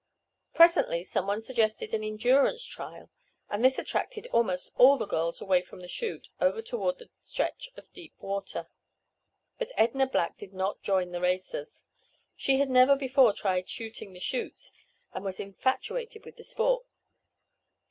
Presently some one suggested an endurance trial, and this attracted almost all the girls away from the chute over toward the stretch of deep water. But Edna Black did not join the racers. She had never before tried "shooting the chutes" and was infatuated with the sport.